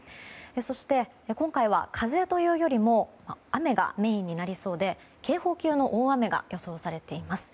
そして、今回は風というよりも雨がメインになりそうで警報級の大雨が予想されています。